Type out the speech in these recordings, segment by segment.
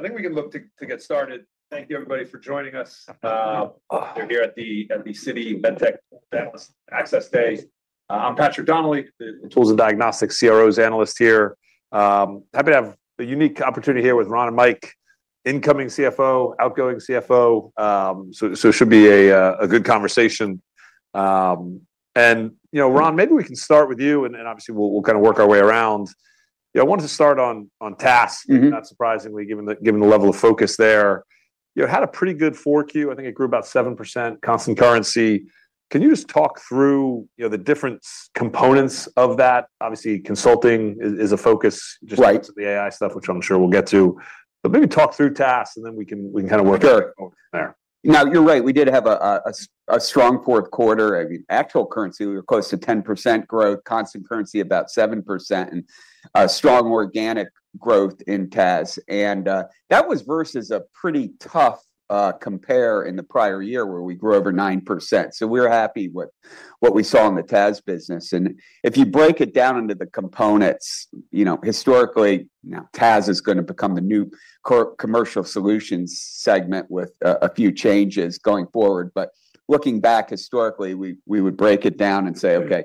I think we can look to get started. Thank you, everybody, for joining us, we're here at the Citi MedTech Access Day. I'm Patrick Donnelly, the tools and diagnostics CROs analyst here. Happy to have a unique opportunity here with Ron and Mike, incoming CFO, outgoing CFO. It should be a good conversation. You know, Ron, maybe we can start with you, and obviously, we'll kind of work our way around. Yeah, I wanted to start on. Mm-hmm. Not surprisingly, given the level of focus there. You had a pretty good fourth Q. I think it grew about 7%, constant currency. Can you just talk through, you know, the different components of that? Obviously, consulting is a focus. Right. just the AI stuff, which I'm sure we'll get to. Maybe talk through tasks, and then we can kinda. Sure. -there. You're right. We did have a strong fourth quarter. I mean, actual currency, we were close to 10% growth, constant currency, about 7%, strong organic growth in TAS. That was versus a pretty tough compare in the prior year, where we grew over 9%. We're happy with what we saw in the TAS business. If you break it down into the components, you know, historically, now, TAS is gonna become the new Commercial Solutions segment with a few changes going forward. Looking back historically, we would break it down and say: Okay,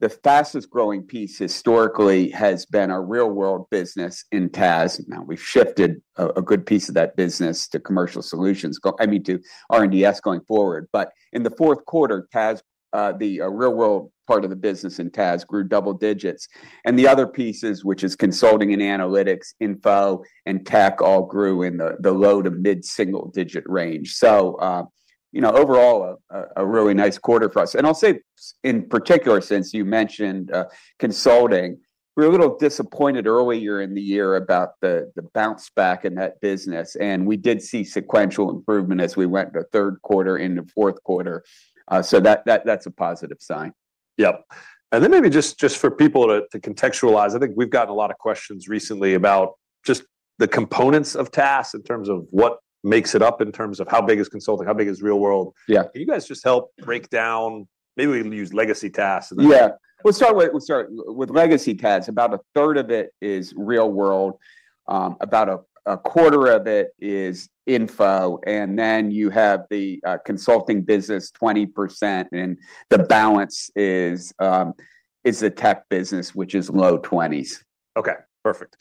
the fastest-growing piece historically has been our real-world business in TAS. Now, we've shifted a good piece of that business to Commercial Solutions, I mean, to R&DS, going forward. In the fourth quarter, TAS, the real-world part of the business in TAS grew double-digits. The other pieces, which is consulting and analytics, info, and tech, all grew in the low- to mid-single-digit range. You know, overall, a really nice quarter for us. I'll say, in particular, since you mentioned consulting, we're a little disappointed earlier in the year about the bounce back in that business, and we did see sequential improvement as we went into third quarter into fourth quarter. That's a positive sign. Yep. Then maybe just for people to contextualize, I think we've gotten a lot of questions recently about just the components of TAS in terms of what makes it up, in terms of how big is consulting, how big is real world? Yeah. Can you guys just help break down... Maybe we can use legacy TAS, and then... Yeah. We'll start with legacy TAS. About a third of it is real-world, about a quarter of it is info, and then you have the consulting business, 20%, and the balance is the tech business, which is low 20s. Okay, perfect.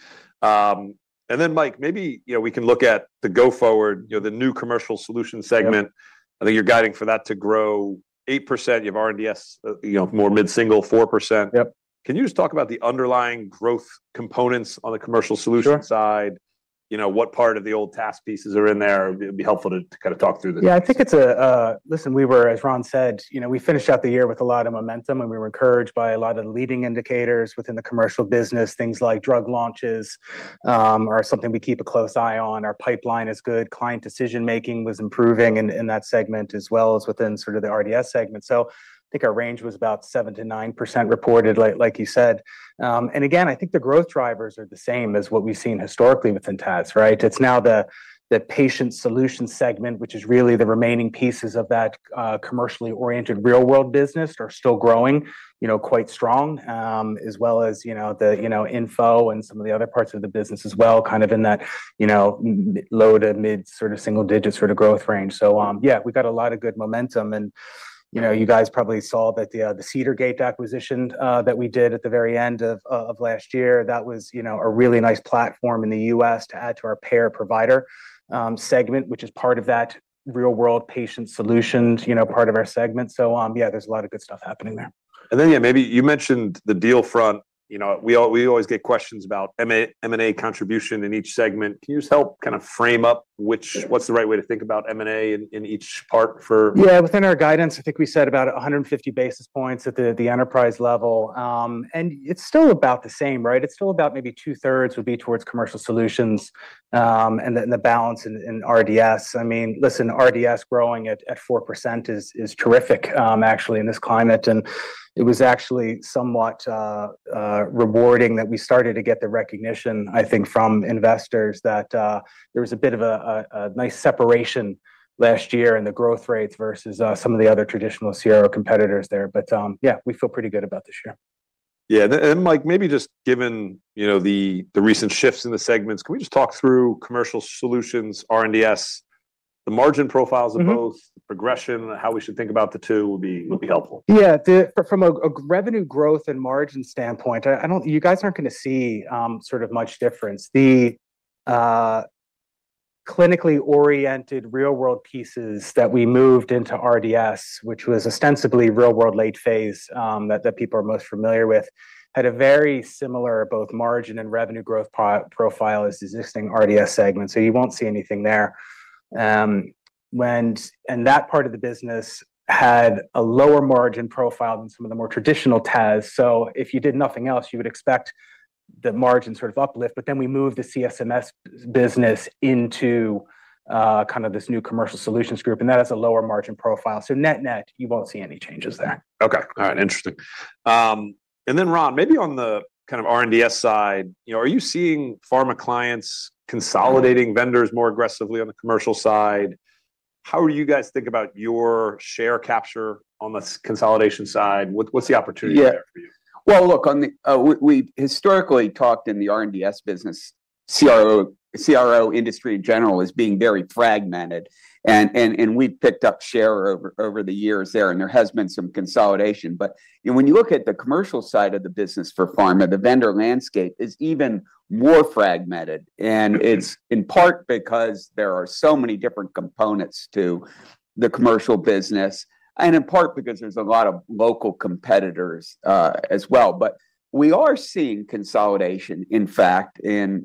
Mike, maybe, you know, we can look at the go-forward, you know, the new Commercial Solutions segment. Yep. I think you're guiding for that to grow 8%. You have R&DS, you know, more mid-single, 4%. Yep. Can you just talk about the underlying growth components on the Commercial Solution. Sure. -side? You know, what part of the old task pieces are in there? It'd be helpful to kinda talk through this. Yeah, I think it's. Listen, we were, as Ron said, you know, we finished out the year with a lot of momentum, and we were encouraged by a lot of the leading indicators within the commercial business. Things like drug launches are something we keep a close eye on. Our pipeline is good. Client decision-making was improving in that segment, as well as within sort of the R&DS segment. I think our range was about 7%-9% reported, like you said. Again, I think the growth drivers are the same as what we've seen historically within TAS, right? It's now the patient solutions segment, which is really the remaining pieces of that, commercially oriented real-world business, are still growing, you know, quite strong, as well as, you know, the, you know, info and some of the other parts of the business as well, kind of in that, you know, low to mid single digits sort of growth range. Yeah, we've got a lot of good momentum, and, you know, you guys probably saw that the Cedar Gate acquisition, that we did at the very end of last year, that was, you know, a really nice platform in the U.S. to add to our payer and provider segment, which is part of that real-world patient solutions, you know, part of our segment. Yeah, there's a lot of good stuff happening there. Yeah, maybe you mentioned the deal front. You know, we always get questions about M&A, M&A contribution in each segment. Can you just help kinda frame up which. Sure. What's the right way to think about M&A in each part? Yeah, within our guidance, I think we said about 150 basis points at the enterprise level. It's still about the same, right? It's still about maybe two-thirds would be towards Commercial Solutions, and then, and the balance in R&DS. I mean, listen, R&DS growing at 4% is terrific, actually, in this climate. It was actually somewhat rewarding that we started to get the recognition, I think, from investors that there was a bit of a nice separation last year in the growth rates versus some of the other traditional CRO competitors there. Yeah, we feel pretty good about this year. Yeah, and Mike, maybe just given, you know, the recent shifts in the segments, can we just talk through Commercial Solutions, R&DS, the margin profiles of both. Mm-hmm. progression, how we should think about the two will be helpful. Yeah, the from a revenue growth and margin standpoint, I don't, you guys aren't gonna see sort of much difference. The clinically oriented real-world pieces that we moved into R&DS, which was ostensibly real-world late phase, that people are most familiar with, had a very similar, both margin and revenue growth profile as existing R&DS segments, so you won't see anything there. That part of the business had a lower margin profile than some of the more traditional TAS. If you did nothing else, you would expect the margin sort of uplift, but then we moved the CSMS business into kind of this new Commercial Solutions group, and that has a lower margin profile. Net-net, you won't see any changes there. Okay. All right, interesting. Then, Ron, maybe on the kind of R&DS side, you know, are you seeing pharma clients consolidating vendors more aggressively on the commercial side? How do you guys think about your share capture on the consolidation side? What's the opportunity there for you? Yeah. Well, look, on the, we historically talked in the R&DS business, CRO industry in general as being very fragmented. We've picked up share over the years there, and there has been some consolidation. You know, when you look at the commercial side of the business for pharma, the vendor landscape is even more fragmented. It's in part because there are so many different components to the commercial business, and in part because there's a lot of local competitors as well. We are seeing consolidation, in fact, in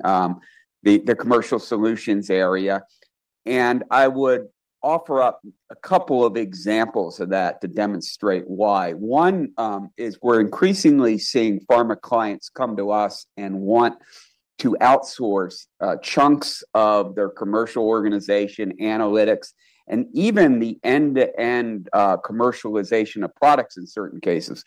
the Commercial Solutions area, and I would offer up a couple of examples of that to demonstrate why. One, is we're increasingly seeing pharma clients come to us and want to outsource chunks of their commercial organization, analytics, and even the end-to-end commercialization of products in certain cases.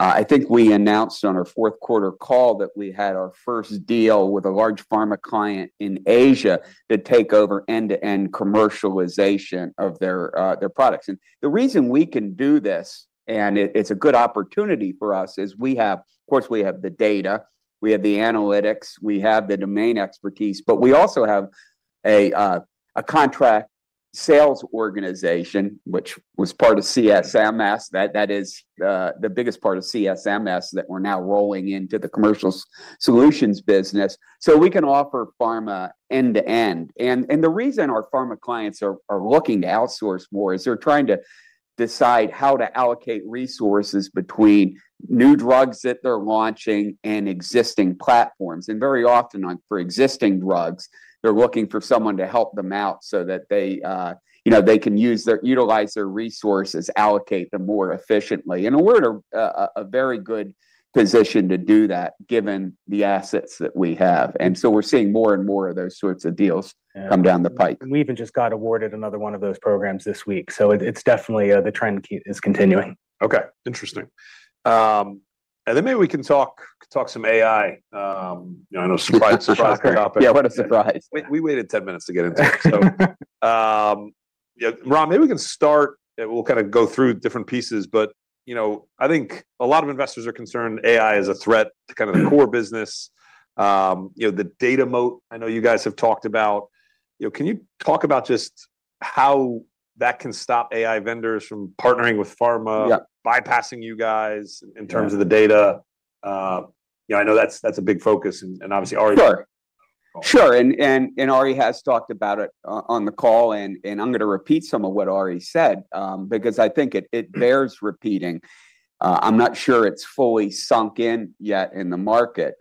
I think we announced on our fourth quarter call that we had our first deal with a large pharma client in Asia to take over end-to-end commercialization of their products. The reason we can do this, it's a good opportunity for us, is we have of course, we have the data, we have the analytics, we have the domain expertise, but we also have a contract sales organization, which was part of CSMS. That is the biggest part of CSMS that we're now rolling into the Commercial Solutions business. We can offer pharma end-to-end. The reason our pharma clients are looking to outsource more is they're trying to decide how to allocate resources between new drugs that they're launching and existing platforms. Very often for existing drugs, they're looking for someone to help them out so that they, you know, they can utilize their resources, allocate them more efficiently. We're at a very good position to do that, given the assets that we have. So we're seeing more and more of those sorts of deals. Yeah. come down the pipe. We even just got awarded another one of those programs this week. It's definitely, the trend is continuing. Mm-hmm. Okay, interesting. Then maybe we can talk some AI. you know, I know... Surprising topic. surprising topic. Yeah, what a surprise. We waited ten minutes to get into it, so. Yeah, Ron, maybe we can start, and we'll kind of go through different pieces. You know, I think a lot of investors are concerned AI is a threat to kind of the core business. You know, the data moat, I know you guys have talked about. You know, can you talk about just how that can stop AI vendors from partnering with pharma- Yeah ... bypassing you guys. Yeah -of the data? You know, I know that's a big focus, and obviously, Ari... Sure. Sure, and Ari has talked about it on the call, and I'm gonna repeat some of what Ari said, because I think it bears repeating. I'm not sure it's fully sunk in yet in the market.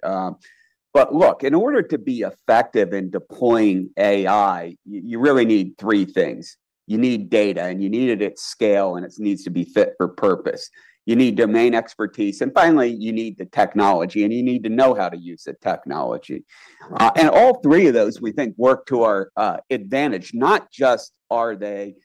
Look, in order to be effective in deploying AI, you really need three things: You need data, and you need it at scale, and it needs to be fit for purpose; you need domain expertise; and finally, you need the technology, and you need to know how to use the technology. Right. And all three of those, we think, work to our advantage. Not just are they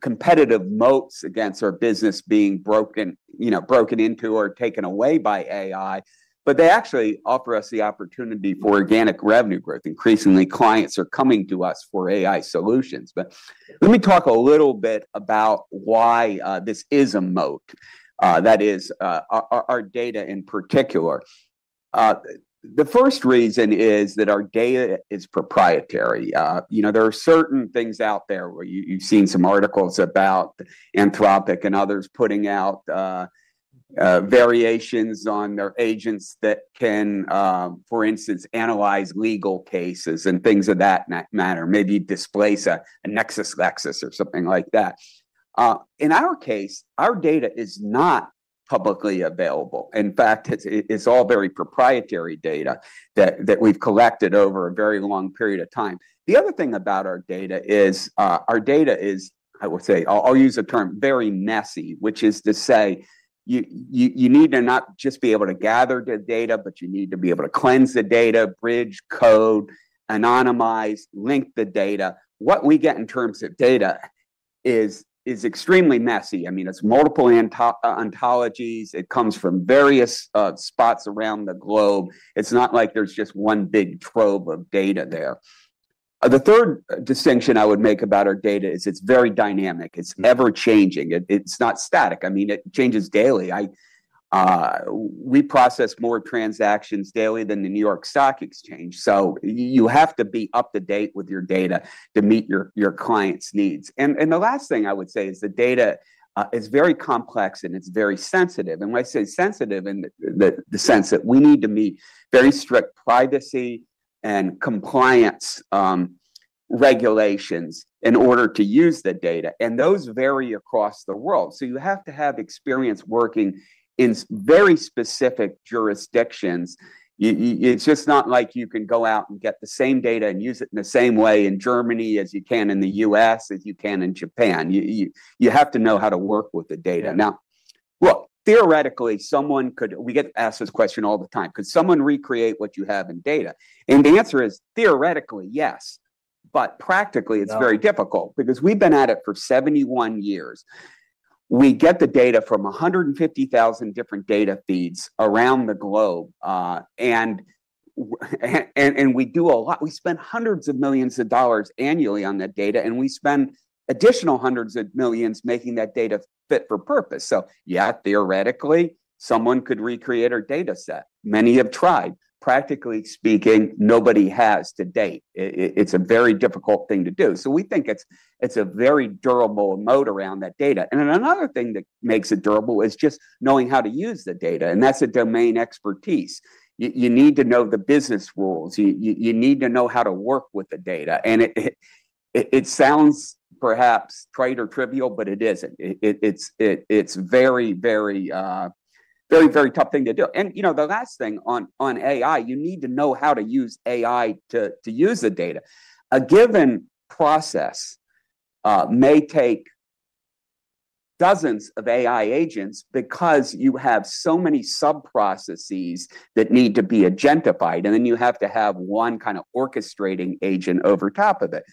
competitive moats against our business being broken, you know, broken into or taken away by AI, but they actually offer us the opportunity for organic revenue growth. Increasingly, clients are coming to us for AI solutions. Let me talk a little bit about why this is a moat that is our data in particular. The first reason is that our data is proprietary. You know, there are certain things out there where you've seen some articles about Anthropic and others putting out variations on their agents that can, for instance, analyze legal cases and things of that matter, maybe displace a LexisNexis or something like that. In our case, our data is not publicly available. In fact, it's all very proprietary data that we've collected over a very long period of time. The other thing about our data is our data is, I'll use the term very messy, which is to say, you need to not just be able to gather the data, but you need to be able to cleanse the data, bridge code, anonymize, link the data. What we get in terms of data is extremely messy. I mean, it's multiple ontologies. It comes from various spots around the globe. It's not like there's just one big trove of data there. The third distinction I would make about our data is it's very dynamic. It's ever-changing. It's not static. I mean, it changes daily. We process more transactions daily than the New York Stock Exchange, so you have to be up to date with your data to meet your clients' needs. The last thing I would say is the data is very complex, and it's very sensitive. When I say sensitive, in the sense that we need to meet very strict privacy and compliance regulations in order to use the data, and those vary across the world. You have to have experience working in very specific jurisdictions. It's just not like you can go out and get the same data and use it in the same way in Germany as you can in the U.S., as you can in Japan. You have to know how to work with the data. Yeah. Now, look, theoretically, someone could... We get asked this question all the time: Could someone recreate what you have in data? The answer is theoretically, yes. Practically- No... it's very difficult because we've been at it for 71 years. We get the data from 150,000 different data feeds around the globe, and we do a lot. We spend $hundreds of millions annually on that data, and we spend additional $hundreds of millions making that data fit for purpose. Yeah, theoretically, someone could recreate our data set. Many have tried. Practically speaking, nobody has to date. It's a very difficult thing to do. We think it's a very durable moat around that data. Another thing that makes it durable is just knowing how to use the data, and that's a domain expertise. You need to know the business rules. You need to know how to work with the data. It sounds perhaps trite or trivial, but it isn't. It's very, very tough thing to do. You know, the last thing on AI, you need to know how to use AI to use the data. A given process may take dozens of AI agents because you have so many sub-processes that need to be agentified, and then you have to have one kind of orchestrating agent over top of it.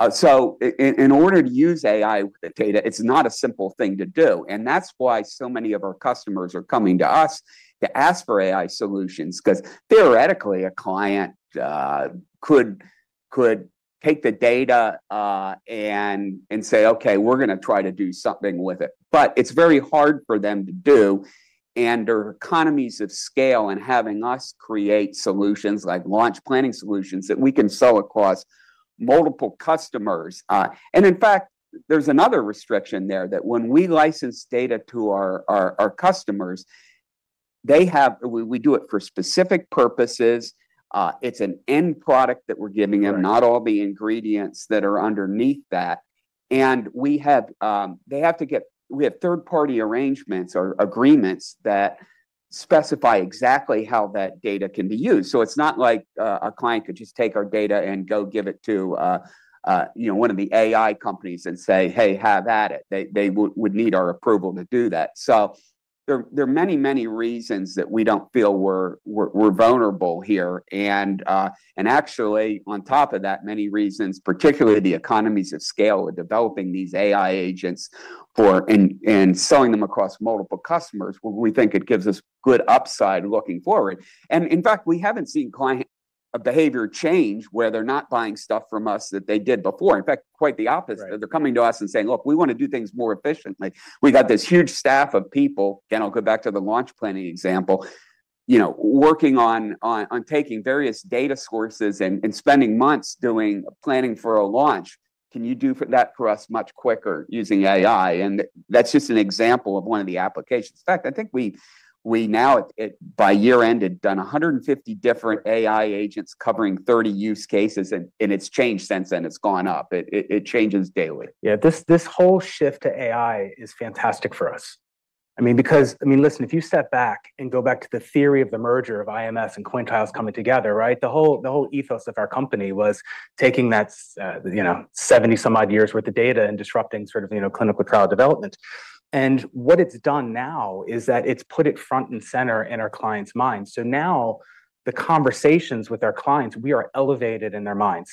In order to use AI data, it's not a simple thing to do, and that's why so many of our customers are coming to us to ask for AI solutions. Theoretically, a client could take the data and say, "Okay, we're gonna try to do something with it." It's very hard for them to do, and there are economies of scale and having us create solutions, like launch planning solutions, that we can sell across multiple customers. In fact, there's another restriction there, that when we license data to our customers, they have we do it for specific purposes. It's an end product that we're giving them. Right... not all the ingredients that are underneath that. We have third-party arrangements or agreements that specify exactly how that data can be used. It's not like a client could just take our data and go give it to, you know, one of the AI companies and say, "Hey, have at it." They would need our approval to do that. There are many reasons that we don't feel we're vulnerable here. Actually, on top of that, many reasons, particularly the economies of scale, are developing these AI agents for... and selling them across multiple customers, we think it gives us good upside looking forward. In fact, we haven't seen client behavior change, where they're not buying stuff from us that they did before. In fact, quite the opposite. Right. They're coming to us and saying: Look, we want to do things more efficiently. We've got this huge staff of people, again, I'll go back to the launch planning example, you know, working on taking various data sources and spending months doing planning for a launch. Can you do that for us much quicker using AI? That's just an example of one of the applications. In fact, I think we now, at by year-end, had done 150 different AI agents covering 30 use cases. It's changed since then. It's gone up. It changes daily. Yeah, this whole shift to AI is fantastic for us. I mean, because I mean, listen, if you step back and go back to the theory of the merger of IMS and Quintiles coming together, right? The whole ethos of our company was taking that, you know, 70-some-odd years' worth of data and disrupting sort of, you know, clinical trial development. What it's done now is that it's put it front and center in our clients' minds. Now, the conversations with our clients, we are elevated in their minds,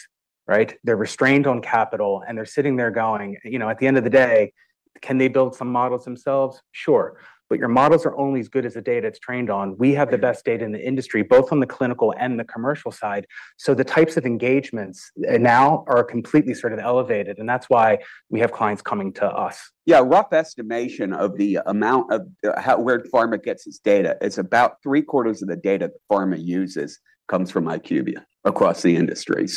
right? They're restrained on capital, and they're sitting there going... You know, at the end of the day, can they build some models themselves? Sure. Your models are only as good as the data it's trained on. Right. We have the best data in the industry, both on the clinical and the commercial side. The types of engagements, now are completely sort of elevated, and that's why we have clients coming to us. Yeah, rough estimation of the amount of, where pharma gets its data, it's about three-quarters of the data that pharma uses comes from IQVIA across the industry.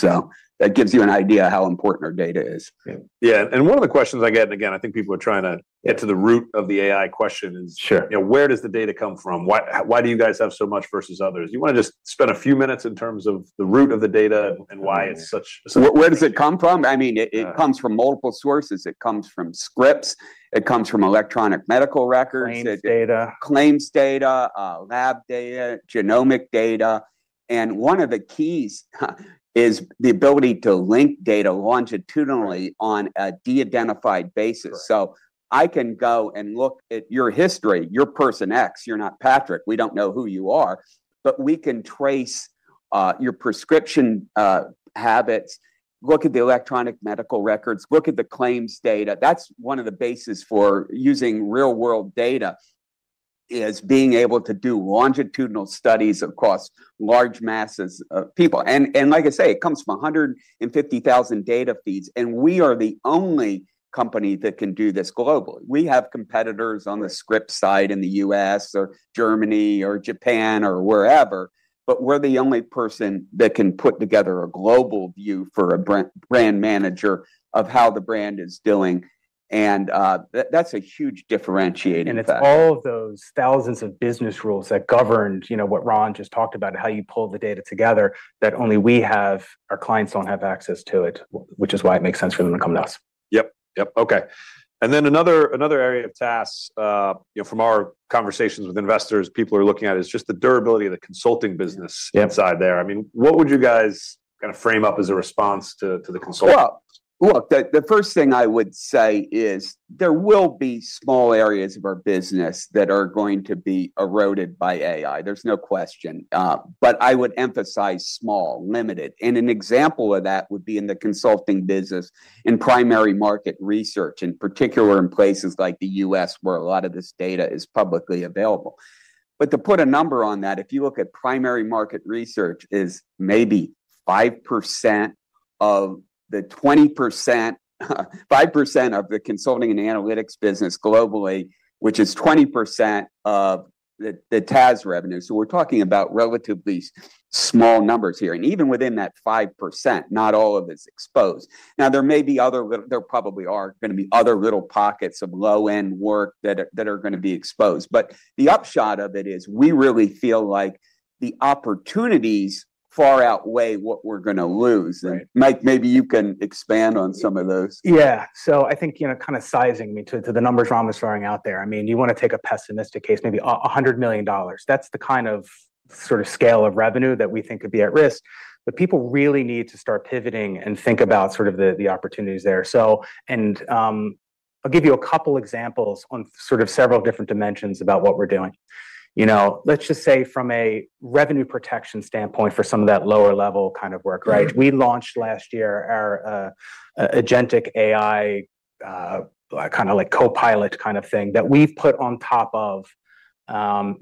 That gives you an idea of how important our data is. Yeah. Yeah, one of the questions I get, and again, I think people are trying to get to the root of the AI question is- Sure... you know, where does the data come from? Why do you guys have so much versus others? You want to just spend a few minutes in terms of the root of the data and why it's such- where does it come from? I mean, it, Yeah... it comes from multiple sources. It comes from scripts, it comes from electronic medical records- Claims data. Claims data, lab data, genomic data. One of the keys is the ability to link data longitudinally on a de-identified basis. Right. I can go and look at your history. You're person X, you're not Patrick. We don't know who you are, but we can trace your prescription habits, look at the electronic medical records, look at the claims data. That's one of the basis for using real-world data, is being able to do longitudinal studies across large masses of people. Like I say, it comes from 150,000 data feeds, and we are the only company that can do this globally. We have competitors on the script side in the U.S. or Germany or Japan or wherever, but we're the only person that can put together a global view for a brand manager of how the brand is doing, and that's a huge differentiating factor. It's all of those thousands of business rules that govern, you know, what Ron just talked about, how you pull the data together, that only we have. Our clients don't have access to it, which is why it makes sense for them to come to us. Yep. Okay. Then another area of tasks, you know, from our conversations with investors, people are looking at is just the durability of the consulting business. Yep... inside there. I mean, what would you guys kind of frame up as a response to the consultants? The, the first thing I would say is there will be small areas of our business that are going to be eroded by AI. There's no question. I would emphasize small, limited, and an example of that would be in the consulting business, in primary market research, in particular, in places like the U.S., where a lot of this data is publicly available. To put a number on that, if you look at primary market research is maybe 5% of the consulting and analytics business globally, which is 20% of the TAS revenue. We're talking about relatively small numbers here, and even within that 5%, not all of it's exposed. There may be other, there probably are gonna be other little pockets of low-end work that are gonna be exposed. The upshot of it is, we really feel like the opportunities far outweigh what we're going to lose. Right. Mike, maybe you can expand on some of those. I think, you know, kinda sizing me to the numbers Ron was throwing out there, I mean, you wanna take a pessimistic case, maybe a $100 million. That's the kind of sort of scale of revenue that we think could be at risk, but people really need to start pivoting and think about sort of the opportunities there. I'll give you a couple examples on sort of several different dimensions about what we're doing. You know, let's just say from a revenue protection standpoint for some of that lower level kind of work, right? We launched last year our agentic AI kind of like copilot kind of thing, that we've put on top of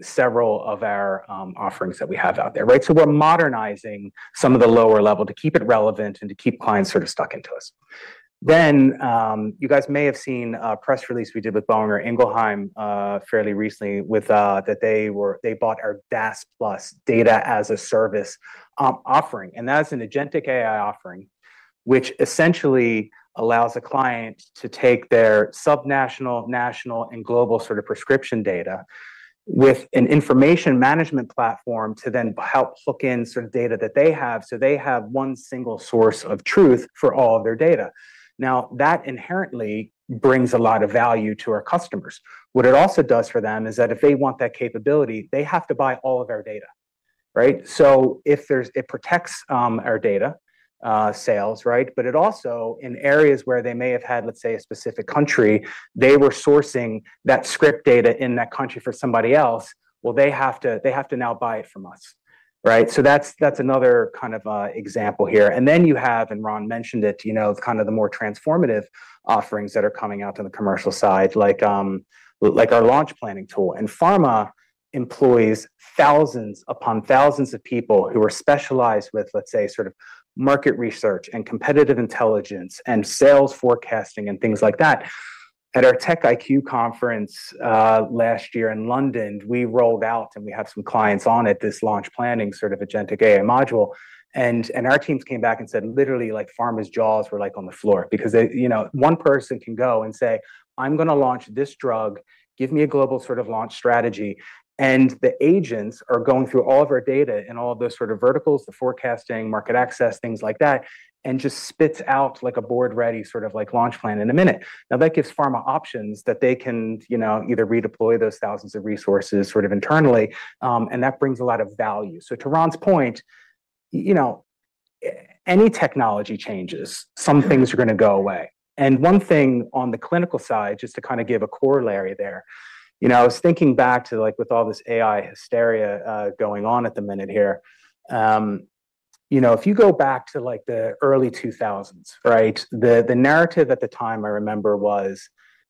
several of our offerings that we have out there, right? We're modernizing some of the lower level to keep it relevant and to keep clients sort of stuck into us. You guys may have seen a press release we did with Boehringer Ingelheim, fairly recently, with that they bought our DaaS+, Data-as-a-Service offering. That's an agentic AI offering, which essentially allows a client to take their subnational, national, and global sort of prescription data with an information management platform, to then help hook in sort of data that they have, so they have one single source of truth for all of their data. That inherently brings a lot of value to our customers. What it also does for them is that if they want that capability, they have to buy all of our data, right? It protects our data sales, right? It also, in areas where they may have had, let's say, a specific country, they were sourcing that script data in that country for somebody else, well, they have to, they have to now buy it from us, right? That's another kind of example here. Then you have, and Ron mentioned it, you know, kind of the more transformative offerings that are coming out on the commercial side, like our launch planning tool. Pharma employs thousands upon thousands of people who are specialized with, let's say, sort of market research, and competitive intelligence, and sales forecasting, and things like that. At our TechIQ conference last year in London, we rolled out, and we have some clients on it, this launch planning sort of agentic AI module. Our teams came back and said, literally, like, pharma's jaws were, like, on the floor. Because, you know, one person can go and say, "I'm gonna launch this drug. Give me a global sort of launch strategy." The agents are going through all of our data and all of those sort of verticals, the forecasting, market access, things like that, and just spits out, like, a board-ready sort of, like, launch plan in a minute. That gives pharma options that they can, you know, either redeploy those thousands of resources sort of internally, and that brings a lot of value. To Ron's point, you know, any technology changes, some things are gonna go away. One thing on the clinical side, just to kinda give a corollary there, you know, I was thinking back to, like, with all this AI hysteria going on at the minute here. You know, if you go back to, like, the early 2000s, right? The narrative at the time, I remember, was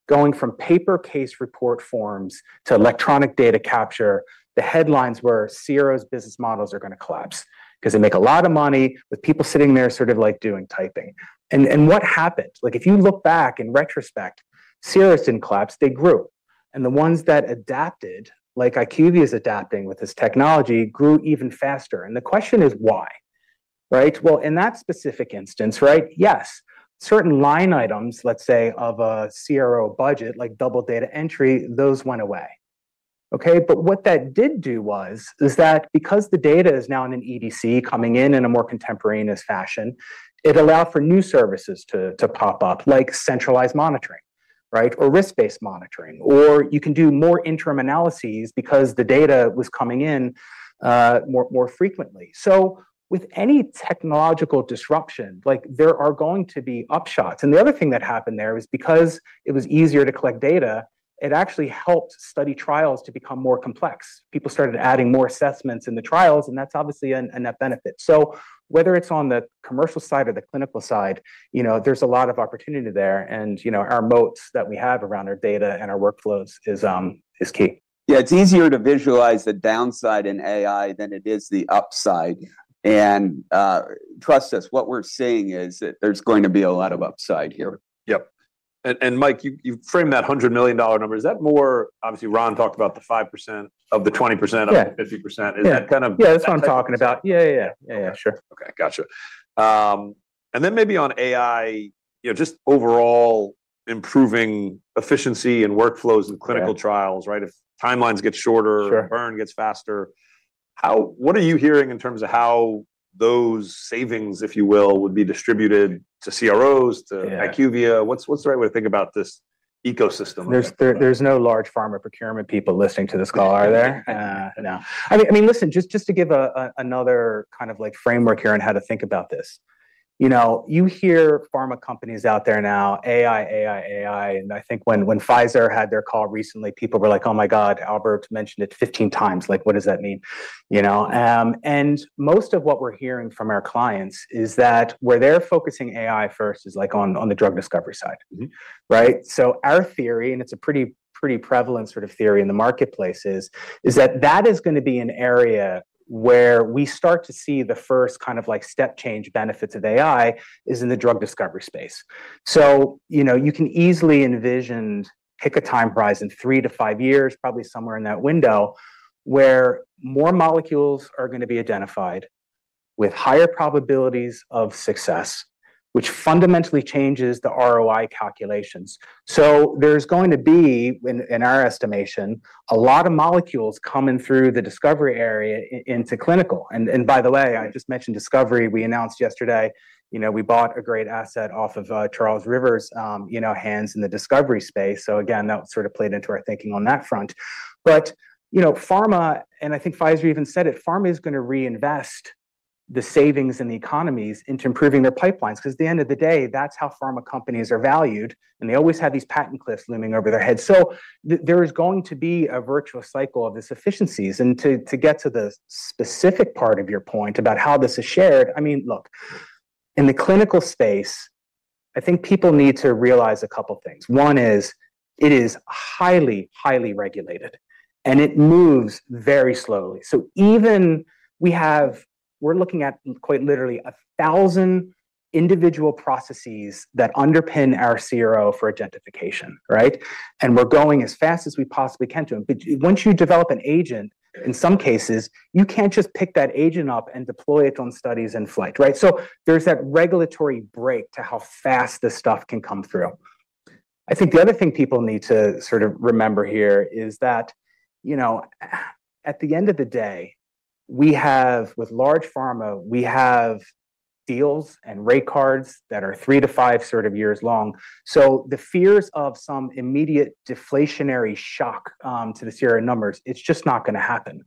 going from paper case report forms to electronic data capture. The headlines were, "CROs' business models are gonna collapse," 'cause they make a lot of money with people sitting there sort of, like, doing typing. What happened? Like, if you look back in retrospect, CROs didn't collapse, they grew. The ones that adapted, like IQVIA is adapting with this technology, grew even faster, and the question is, why, right? Well, in that specific instance, right, yes, certain line items, let's say, of a CRO budget, like double data entry, those went away, okay. What that did do was, is that because the data is now in an EDC, coming in in a more contemporaneous fashion, it allowed for new services to pop up, like centralized monitoring, right. Risk-based monitoring, or you can do more interim analyses because the data was coming in more frequently. With any technological disruption, like, there are going to be upshots. The other thing that happened there is because it was easier to collect data, it actually helped study trials to become more complex. People started adding more assessments in the trials, and that's obviously a net benefit. Whether it's on the commercial side or the clinical side, you know, there's a lot of opportunity there. You know, our moats that we have around our data and our workflows is key. Yeah, it's easier to visualize the downside in AI than it is the upside. Trust us, what we're seeing is that there's going to be a lot of upside here. Yep. Mike, you've framed that $100 million number. Is that more... Obviously, Ron talked about the 5% of the 20%- Yeah. - of the fifty percent. Yeah. Is that kind of. Yeah, that's what I'm talking about. Yeah, yeah. Yeah, sure. Okay, gotcha. Maybe on AI, you know, just overall improving efficiency and workflows in clinical trials... Yeah. right? If timelines get shorter- Sure... burn gets faster, what are you hearing in terms of how those savings, if you will, would be distributed to CROs? Yeah IQVIA? What's the right way to think about this ecosystem? There's no large pharma procurement people listening to this call, are there? No. I mean, listen, just to give a another kind of, like, framework here on how to think about this. You know, you hear pharma companies out there now: AI, AI. I think when Pfizer had their call recently, people were like: "Oh, my God! Albert mentioned it 15 times. Like, what does that mean?" You know, most of what we're hearing from our clients is that where they're focusing AI first is, like, on the drug discovery side. Mm-hmm. Right? Our theory, and it's a pretty prevalent sort of theory in the marketplace, is that that is going to be an area where we start to see the first kind of, like, step change benefits of AI, is in the drug discovery space. You know, you can easily envision, pick a time prize in 3-5 years, probably somewhere in that window, where more molecules are going to be identified with higher probabilities of success, which fundamentally changes the ROI calculations. There's going to be, in our estimation, a lot of molecules coming through the discovery area into clinical. By the way, I just mentioned discovery. We announced yesterday, you know, we bought a great asset off of Charles River's, you know, hands in the discovery space. Again, that sort of played into our thinking on that front. You know, pharma, and I think Pfizer even said it, pharma is going to reinvest the savings and the economies into improving their pipelines, because at the end of the day, that's how pharma companies are valued, and they always have these patent cliffs looming over their heads. There is going to be a virtual cycle of this efficiencies. To get to the specific part of your point about how this is shared, I mean, look, in the clinical space, I think people need to realize a couple things. One is, it is highly regulated, and it moves very slowly. We're looking at quite literally 1,000 individual processes that underpin our CRO for Agentification, right? We're going as fast as we possibly can to them. Once you develop an agent, in some cases, you can't just pick that agent up and deploy it on studies in flight, right? There's that regulatory break to how fast this stuff can come through. I think the other thing people need to sort of remember here is that, you know, at the end of the day, we have, with large pharma, we have deals and rate cards that are three to five sort of years long. The fears of some immediate deflationary shock to the CRO numbers, it's just not gonna happen,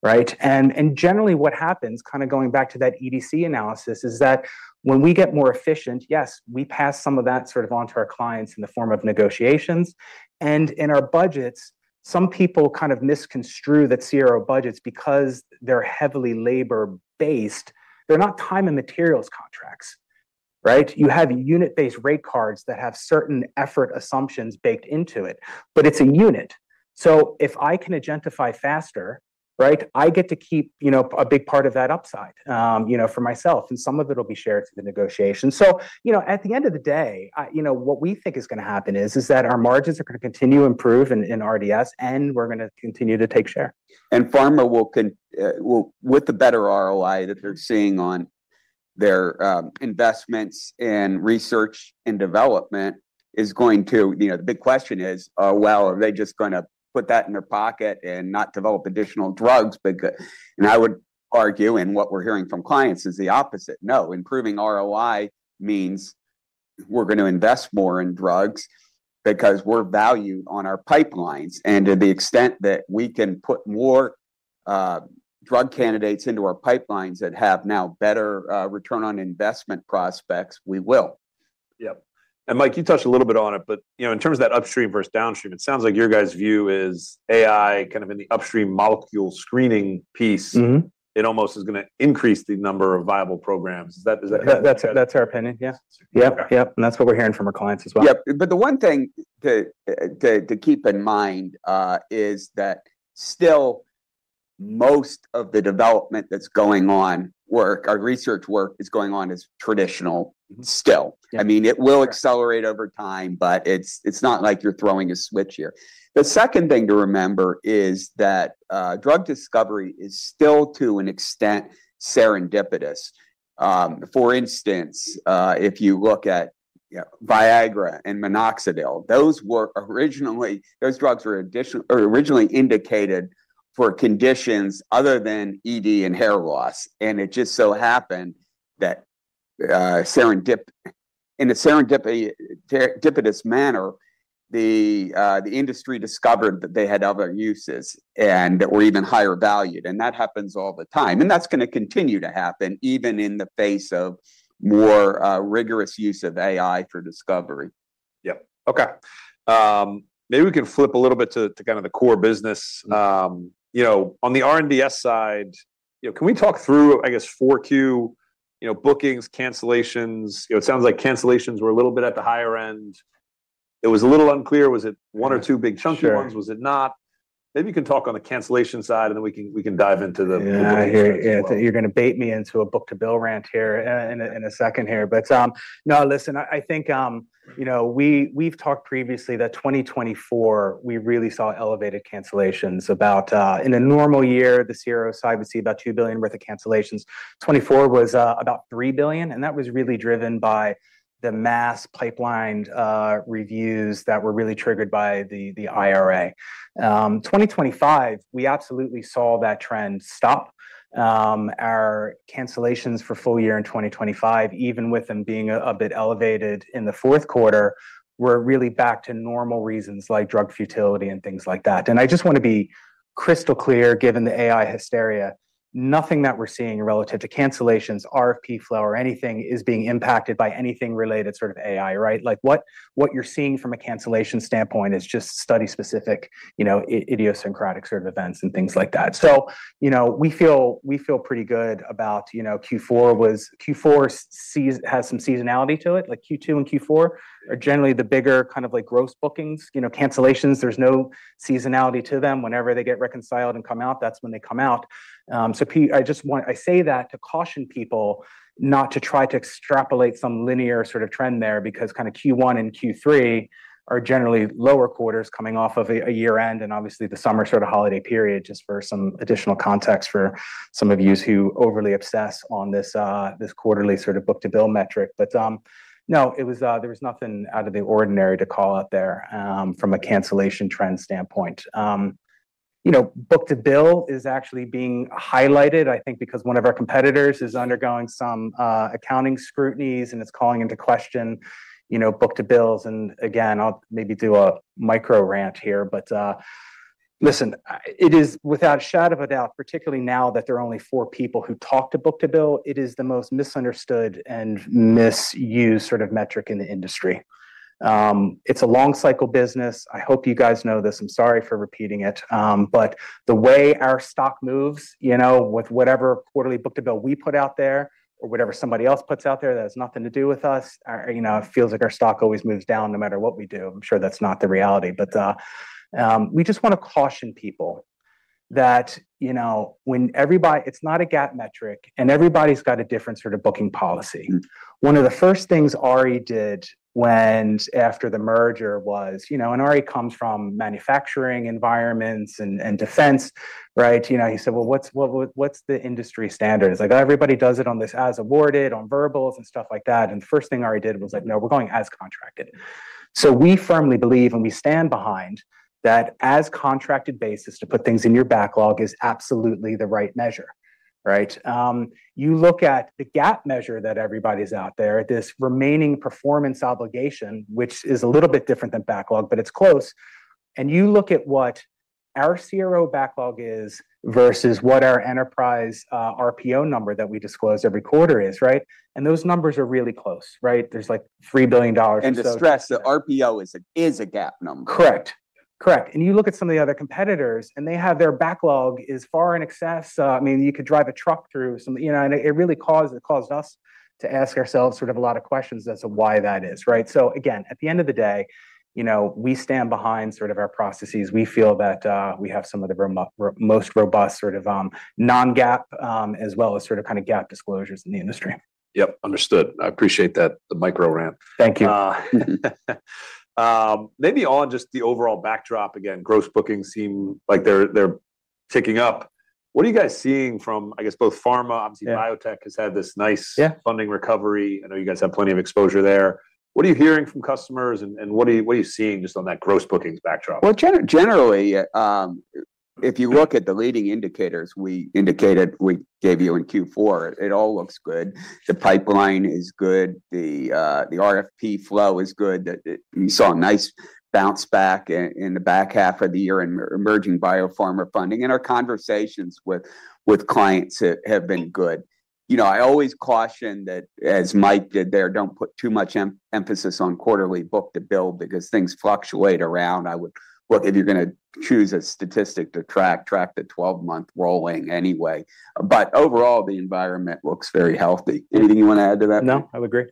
right? Generally, what happens, kinda going back to that EDC analysis, is that when we get more efficient, yes, we pass some of that sort of on to our clients in the form of negotiations. In our budgets, some people kind of misconstrue that CRO budgets because they're heavily labor-based. They're not time and materials contracts, right? You have unit-based rate cards that have certain effort assumptions baked into it, but it's a unit. If I can agentify faster, right, I get to keep, you know, a big part of that upside, you know, for myself, and some of it will be shared through the negotiation. You know, at the end of the day, you know, what we think is gonna happen is that our margins are gonna continue to improve in R&DS, and we're gonna continue to take share. Pharma will with the better ROI that they're seeing on their investments in research and development, you know, the big question is, well, are they just gonna put that in their pocket and not develop additional drugs? I would argue, and what we're hearing from clients, is the opposite. No, improving ROI means we're gonna invest more in drugs because we're valued on our pipelines. To the extent that we can put more drug candidates into our pipelines that have now better return on investment prospects, we will. Yep. Mike, you touched a little bit on it, but, you know, in terms of that upstream versus downstream, it sounds like your guys' view is AI, kind of in the upstream molecule screening piece- Mm-hmm... it almost is gonna increase the number of viable programs. Is that- That's our opinion, yeah. Yep. That's what we're hearing from our clients as well. Yep. The one thing to keep in mind, is that still most of the development that's going on, work or research work, is going on is traditional still. Yep. I mean, it will accelerate over time, but it's not like you're throwing a switch here. The second thing to remember is that drug discovery is still, to an extent, serendipitous. For instance, if you look at, you know, Viagra and Minoxidil, those drugs were originally indicated for conditions other than ED and hair loss. It just so happened that in a serendipitous manner, the industry discovered that they had other uses and that were even higher valued, and that happens all the time. That's gonna continue to happen, even in the face of more rigorous use of AI for discovery. Yep. Okay. maybe we can flip a little bit to kind of the core business. you know, on the R&DS side, you know, can we talk through, I guess, four Q, you know, bookings, cancellations? You know, it sounds like cancellations were a little bit at the higher end. It was a little unclear. Was it one or two big chunky ones? Sure. Was it not? Maybe you can talk on the cancellation side, and then we can dive into the. Yeah. Bookings as well. You're gonna bait me into a book to bill rant here in a second here. Now, listen, I think, you know, we've talked previously that 2024, we really saw elevated cancellations. About in a normal year, the CRO side would see about $2 billion worth of cancellations. 2024 was about $3 billion, and that was really driven by the mass pipelined reviews that were really triggered by the IRA. 2025, we absolutely saw that trend stop. Our cancellations for full year in 2025, even with them being a bit elevated in the fourth quarter, were really back to normal reasons like drug futility and things like that. I just want to be crystal clear, given the AI hysteria, nothing that we're seeing relative to cancellations, RFP flow, or anything, is being impacted by anything related sort of AI, right? What you're seeing from a cancellation standpoint is just study-specific, you know, idiosyncratic sort of events and things like that. You know, we feel pretty good about, you know, Q4 has some seasonality to it. Q2 and Q4 are generally the bigger kind of like gross bookings. You know, cancellations, there's no seasonality to them. Whenever they get reconciled and come out, that's when they come out. I say that to caution people not to try to extrapolate some linear sort of trend there, because kinda Q1 and Q3 are generally lower quarters coming off of a year-end, and obviously, the summer sort of holiday period, just for some additional context for some of youse who overly obsess on this quarterly sort of book-to-bill metric. no, it was there was nothing out of the ordinary to call out there from a cancellation trend standpoint. you know, book-to-bill is actually being highlighted, I think, because one of our competitors is undergoing some accounting scrutinies, and it's calling into question, you know, book-to-bills. Again, I'll maybe do a micro rant here, listen, it is without a shadow of a doubt, particularly now that there are only four people who talk to book-to-bill, it is the most misunderstood and misused sort of metric in the industry. It's a long cycle business. I hope you guys know this. I'm sorry for repeating it. The way our stock moves, you know, with whatever quarterly book-to-bill we put out there or whatever somebody else puts out there, that has nothing to do with us. You know, it feels like our stock always moves down no matter what we do. I'm sure that's not the reality, we just want to caution people that, you know, when everybody-- it's not a GAAP metric, everybody's got a different sort of booking policy. One of the first things Ari did after the merger was, you know, Ari comes from manufacturing environments and defense, right? You know, he said, "Well, what's, what's the industry standard?" It's like, everybody does it on this as awarded, on verbals, and stuff like that. The first thing Ari did was like: No, we're going as contracted. We firmly believe, and we stand behind, that as-contracted basis to put things in your backlog is absolutely the right measure, right? You look at the GAAP measure that everybody's out there, this remaining performance obligation, which is a little bit different than backlog, but it's close. You look at what our CRO backlog is versus what our enterprise RPO number that we disclose every quarter is, right? Those numbers are really close, right? There's, like, $3 billion. To stress, the RPO is a GAAP number. Correct. Correct. You look at some of the other competitors, and they have their backlog is far in excess. I mean, you could drive a truck through some... You know, it really caused us to ask ourselves sort of a lot of questions as to why that is, right? Again, at the end of the day, you know, we stand behind sort of our processes. We feel that we have some of the most robust sort of non-GAAP, as well as sort of kind of GAAP disclosures in the industry. Yep, understood. I appreciate that, the micro rant. Thank you. maybe on just the overall backdrop, again, gross bookings seem like they're ticking up. What are you guys seeing from, I guess, both pharma-? Yeah. Obviously, biotech has had this. Yeah -funding recovery. I know you guys have plenty of exposure there. What are you hearing from customers, and what are you seeing just on that gross bookings backdrop? Well, generally, if you look at the leading indicators we indicated, we gave you in Q4, it all looks good. The pipeline is good, the RFP flow is good. We saw a nice bounce back in the back half of the year in emerging biopharma funding, and our conversations with clients have been good. You know, I always caution that, as Mike did there, don't put too much emphasis on quarterly book-to-bill because things fluctuate around. Look, if you're gonna choose a statistic to track the 12-month rolling anyway. Overall, the environment looks very healthy. Anything you want to add to that? No, I would agree.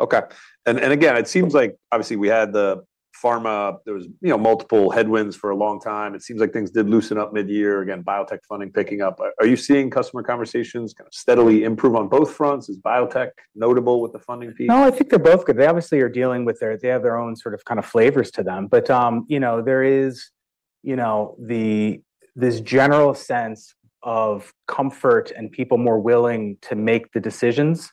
Okay. Again, it seems like obviously we had the pharma, there was, you know, multiple headwinds for a long time. It seems like things did loosen up mid-year. Again, biotech funding picking up. Are you seeing customer conversations kind of steadily improve on both fronts? Is biotech notable with the funding piece? No, I think they're both good. They obviously are dealing with they have their own sort of, kind of flavors to them. You know, there is, you know, the, this general sense of comfort and people more willing to make the decisions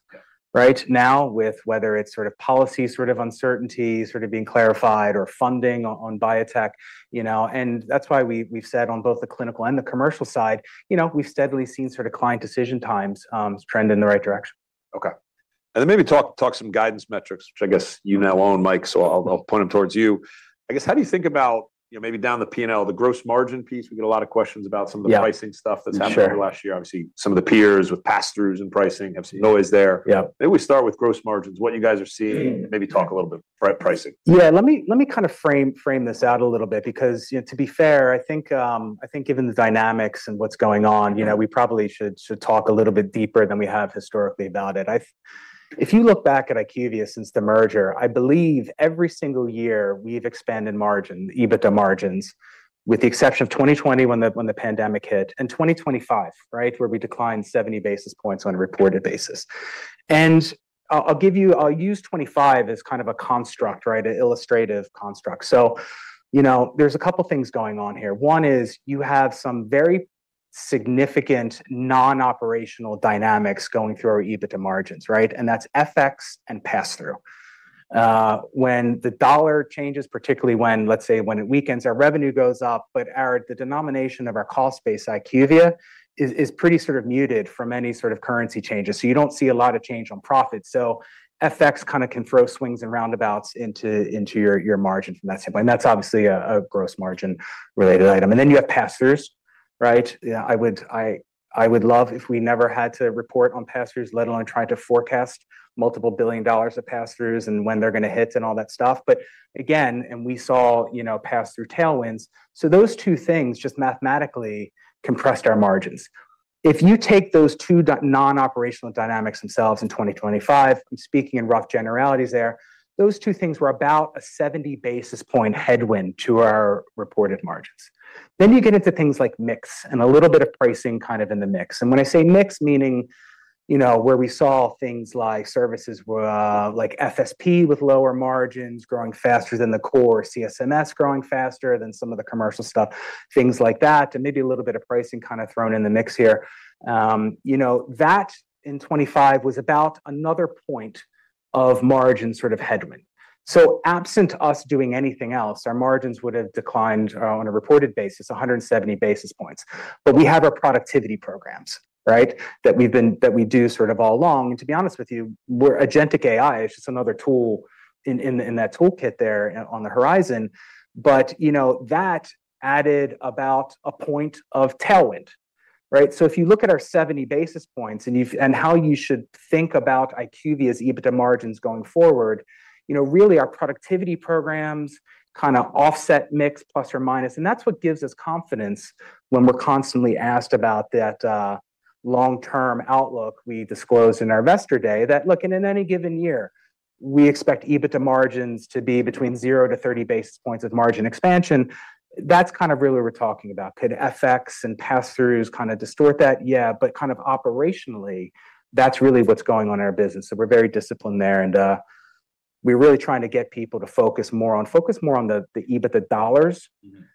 right now, with whether it's sort of policy, sort of uncertainty, sort of being clarified, or funding on biotech, you know. That's why we've said on both the clinical and the commercial side, you know, we've steadily seen sort of client decision times, trend in the right direction. Okay. Maybe talk some guidance metrics, which I guess you now own, Mike, I'll point them towards you. I guess, how do you think about, you know, maybe down the P&L, the gross margin piece? We get a lot of questions about some of the. Yeah pricing stuff that's happened Sure over the last year. Obviously, some of the peers with pass-throughs and pricing, have some noise there. Yeah. Maybe we start with gross margins, what you guys are seeing, and maybe talk a little bit pricing. Yeah, let me kind of frame this out a little bit because, you know, I think given the dynamics and what's going on. Yeah... you know, we probably should talk a little bit deeper than we have historically about it. If you look back at IQVIA since the merger, I believe every single year we've expanded margin, EBITDA margins, with the exception of 2020 when the pandemic hit, and 2025, right? Where we declined 70 basis points on a reported basis. I'll give you. I'll use 25 as kind of a construct, right? An illustrative construct. You know, there's a couple things going on here. One is, you have some very significant non-operational dynamics going through our EBITDA margins, right? That's FX and pass-through. When the dollar changes, particularly when it weakens, our revenue goes up, but our, the denomination of our cost base, IQVIA, is pretty sort of muted from any sort of currency changes. You don't see a lot of change on profit. FX kind of can throw swings and roundabouts into your margin from that standpoint, and that's obviously a gross margin-related item. You have pass-throughs, right? Yeah, I would love if we never had to report on pass-throughs, let alone try to forecast multiple billion dollars of pass-throughs and when they're gonna hit and all that stuff. We saw, you know, pass-through tailwinds. Those two things just mathematically compressed our margins. If you take those two non-operational dynamics themselves in 2025, I'm speaking in rough generalities there, those two things were about a 70 basis point headwind to our reported margins. You get into things like mix and a little bit of pricing kind of in the mix. When I say mix, meaning, you know, where we saw things like services, where, like FSP, with lower margins growing faster than the core, CSMS growing faster than some of the Commercial Solutions, things like that, and maybe a little bit of pricing kind of thrown in the mix here. You know, that in 2025 was about another point of margin, sort of headwind. Absent us doing anything else, our margins would have declined, on a reported basis, 170 basis points. We have our productivity programs, right? That we do sort of all along. To be honest with you, agentic AI is just another tool in that toolkit there on the horizon. You know, that added about a point of tailwind, right? If you look at our 70 basis points and how you should think about IQVIA's EBITDA margins going forward, you know, really, our productivity programs kinda offset mix plus or minus, and that's what gives us confidence when we're constantly asked about that long-term outlook we disclosed in our Investor Day. That, look, in any given year, we expect EBITDA margins to be between 0 to 30 basis points of margin expansion. That's kind of really what we're talking about. Could FX and pass-throughs kinda distort that? Yeah. Kind of operationally, that's really what's going on in our business. We're very disciplined there, and we're really trying to get people to focus more on the EBITDA dollars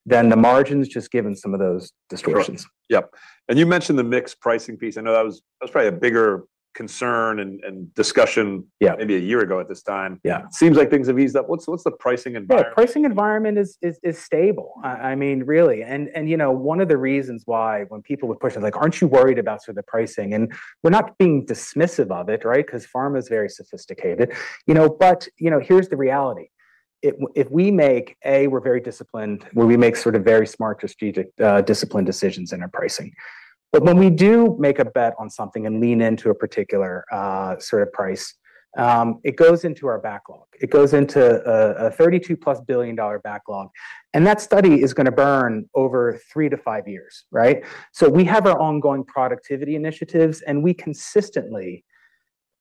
than the margins, just given some of those distortions. Sure. Yep, you mentioned the mixed pricing piece. I know that was probably a bigger concern and discussion. Yeah. -maybe a year ago at this time. Yeah. Seems like things have eased up. What's the pricing environment? Pricing environment is stable. I mean, really and, you know, one of the reasons why when people would push us, like, "Aren't you worried about sort of the pricing?" We're not being dismissive of it, right? Because pharma is very sophisticated, you know, but, you know, here's the reality. If we make, A, we're very disciplined, where we make sort of very smart, strategic, disciplined decisions in our pricing. When we do make a bet on something and lean into a particular, sort of price, it goes into our backlog. It goes into a $32+ billion backlog, and that study is gonna burn over 3-5 years, right? We have our ongoing productivity initiatives, and we consistently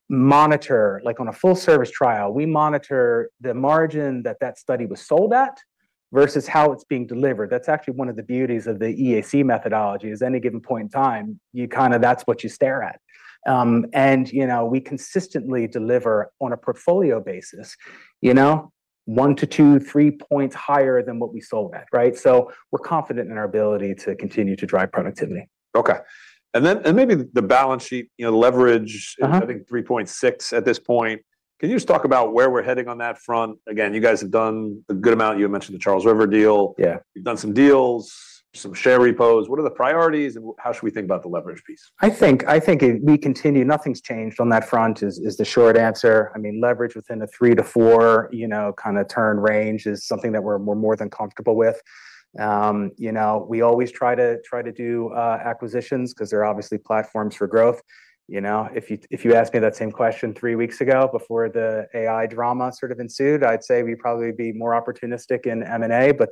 monitor... Like on a full service trial, we monitor the margin that that study was sold at versus how it's being delivered. That's actually one of the beauties of the EAC methodology, is any given point in time, you know, that's what you stare at. You know, we consistently deliver on a portfolio basis, you know, 1 to 2, 3 points higher than what we sold at, right? We're confident in our ability to continue to drive productivity. Okay. Maybe the balance sheet, you know, leverage. Uh-huh. I think 3.6 at this point. Can you just talk about where we're heading on that front? Again, you guys have done a good amount. You had mentioned the Charles River deal. Yeah. You've done some deals, some share repos. What are the priorities, and how should we think about the leverage piece? Nothing's changed on that front, is the short answer. I mean, leverage within a 3-4, you know, kind of turn range is something that we're more than comfortable with. You know, we always try to do acquisitions, 'cause they're obviously platforms for growth. You know, if you asked me that same question three weeks ago, before the AI drama sort of ensued, I'd say we'd probably be more opportunistic in M&A, but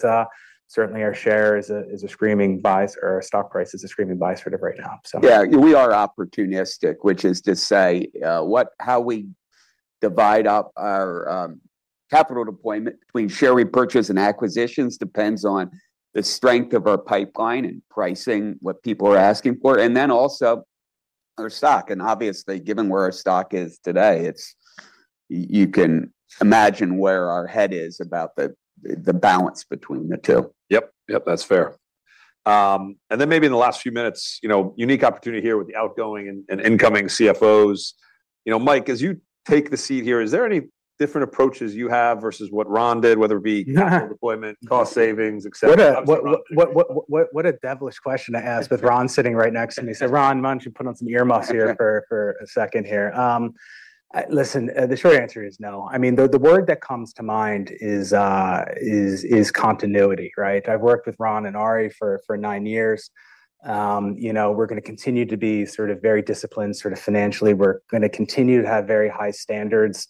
certainly our share is a screaming buy, or our stock price is a screaming buy sort of right now. Yeah, we are opportunistic, which is to say, how we divide up our capital deployment between share repurchase and acquisitions depends on the strength of our pipeline and pricing, what people are asking for, and then also our stock. Obviously, given where our stock is today, you can imagine where our head is about the balance between the two. Yep, that's fair. Then maybe in the last few minutes, you know, unique opportunity here with the outgoing and incoming CFOs. You know, Mike, as you take the seat here, is there any different approaches you have versus what Ron did, whether it be capital deployment, cost savings, et cetera? What a devilish question to ask with Ron sitting right next to me. Ron, why don't you put on some earmuffs here for a second here? Listen, the short answer is no. I mean, the word that comes to mind is continuity, right? I've worked with Ron and Ari for 9 years. You know, we're gonna continue to be sort of very disciplined, sort of financially. We're gonna continue to have very high standards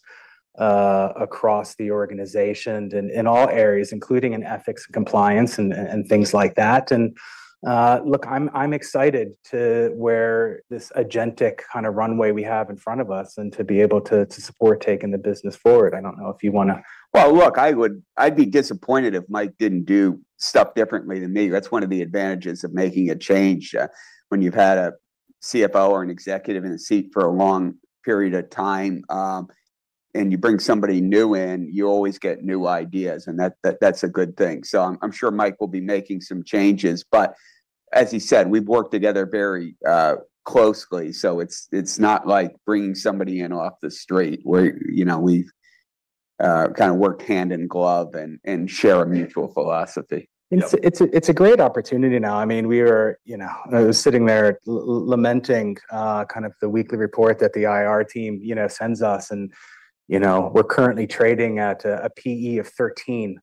across the organization and in all areas, including in ethics and compliance and things like that. Look, I'm excited to where this agentic kinda runway we have in front of us and to be able to support taking the business forward. I don't know if you wanna- Well, look, I'd be disappointed if Mike didn't do stuff differently than me. That's one of the advantages of making a change, when you've had a CFO or an executive in a seat for a long period of time, and you bring somebody new in, you always get new ideas, and that's a good thing. I'm sure Mike will be making some changes. As he said, we've worked together very closely, so it's not like bringing somebody in off the street, where, you know, we've kind of worked hand in glove and share a mutual philosophy. It's a great opportunity now. I mean, we were, you know, I was sitting there lamenting kind of the weekly report that the IR team, you know, sends us. You know, we're currently trading at a PE of 13,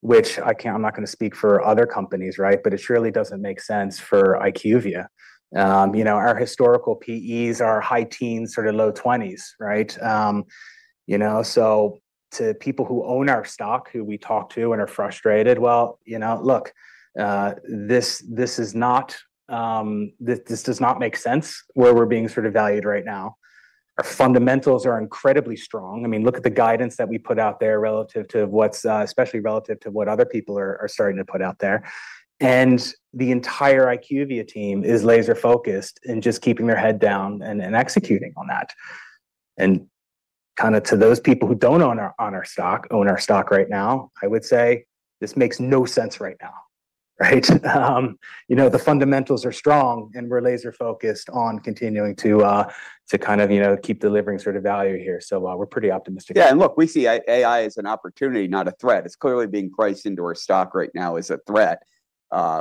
which I'm not gonna speak for other companies, right? It surely doesn't make sense for IQVIA. You know, our historical PEs are high teens, sort of low 20s, right? You know, to people who own our stock, who we talk to and are frustrated, well, you know, look, this does not make sense, where we're being sort of valued right now. Our fundamentals are incredibly strong. I mean, look at the guidance that we put out there relative to what's, especially relative to what other people are starting to put out there. The entire IQVIA team is laser-focused in just keeping their head down and executing on that. Kinda to those people who don't own our stock right now, I would say this makes no sense right now, right? You know, the fundamentals are strong, and we're laser-focused on continuing to kind of, you know, keep delivering sort of value here. We're pretty optimistic. Look, we see AI as an opportunity, not a threat. It's clearly being priced into our stock right now as a threat.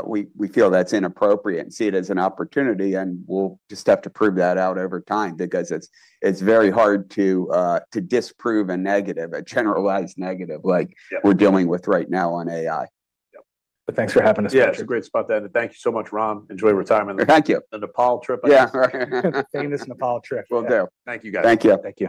We feel that's inappropriate and see it as an opportunity, and we'll just have to prove that out over time, because it's very hard to disprove a negative, a generalized negative. Yeah... like we're dealing with right now on AI. Yep, thanks for having us. Yeah, it's great to spot then. Thank you so much, Ron. Enjoy retirement. Thank you. The Nepal trip, I guess. Yeah. The famous Nepal trip. Will do. Thank you, guys. Thank you. Thank you.